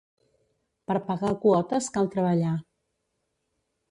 Per pagar quotes cal treballar.